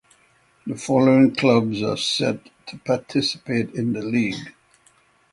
The following clubs are set to participate in the league.